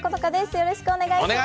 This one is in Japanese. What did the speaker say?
よろしくお願いします。